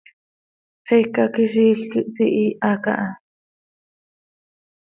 Xicaquiziil quih sihiiha caha.